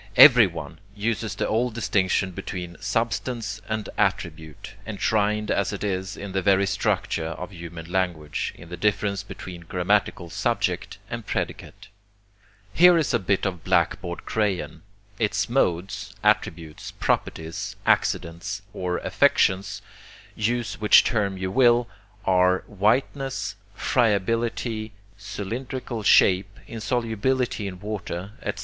Everyone uses the old distinction between substance and attribute, enshrined as it is in the very structure of human language, in the difference between grammatical subject and predicate. Here is a bit of blackboard crayon. Its modes, attributes, properties, accidents, or affections, use which term you will, are whiteness, friability, cylindrical shape, insolubility in water, etc.